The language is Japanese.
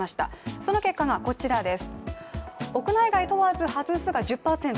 その結果がこちらです。